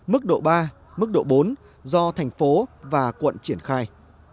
mức độ ba mức độ bốn do thành phố và quận triển khai